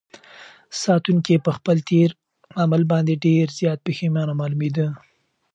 ساتونکي په خپل تېر عمل باندې ډېر زیات پښېمانه معلومېده.